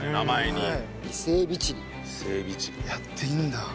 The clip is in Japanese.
やっていいんだ。